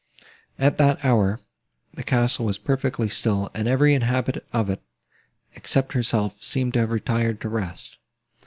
At that hour, the castle was perfectly still, and every inhabitant of it, except herself, seemed to have retired to rest.